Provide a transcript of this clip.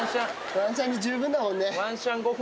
ワンシャンで十分だもんね。